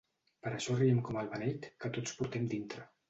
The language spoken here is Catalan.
Per això riem com el beneit que tots portem dintre.